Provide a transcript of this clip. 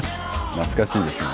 懐かしいですね。